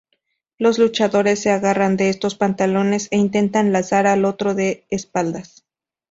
Los luchadores se agarran de estos pantalones e intentan lanzar al otro de espaldas.